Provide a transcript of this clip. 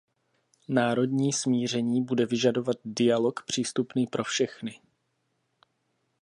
Národní smíření bude vyžadovat dialog přístupný pro všechny.